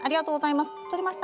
取りました？